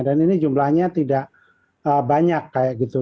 dan ini jumlahnya tidak banyak kayak gitu